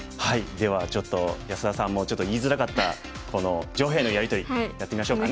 ではちょっと安田さんもちょっと言いづらかったこの上辺のやり取りやってみましょうかね。